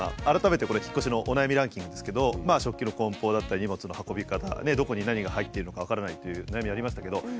改めてこれ引っ越しのお悩みランキングですけど食器のこん包だったり荷物の運び方どこに何が入っているのか分からないという悩みありましたけど。